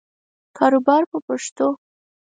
کاروبار په پښتو.